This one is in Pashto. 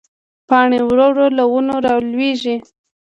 پاڼې ورو ورو له ونو رالوېږي